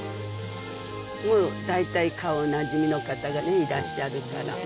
大体顔なじみの方がいらっしゃるから。